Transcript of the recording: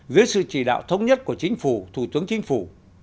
dưới sự chỉ đạo thống nhất của chính phủ thủ tướng chính phủ